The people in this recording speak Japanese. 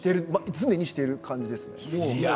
常にしている感じですね。